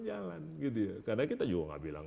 jalan karena kita juga nggak bilang